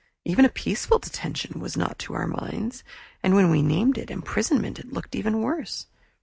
Even a peaceful detention was not to our minds, and when we named it imprisonment it looked even worse.